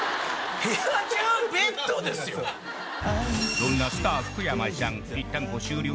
そんなスター福山さん